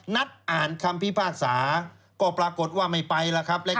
นัดอ่านคำพิพากษาก็ปรากฏว่าไม่ไปแล้วครับ